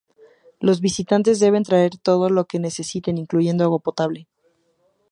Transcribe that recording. Los visitantes deben traer todo lo que necesiten, incluyendo agua potable.